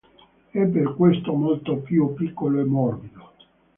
È per questo molto più piccolo e morbido.